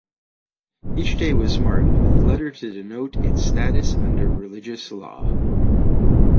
Each day was marked with a letter to denote its status under religious law.